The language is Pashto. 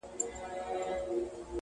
لا خو زما او د قاضي یوشان رتبه ده.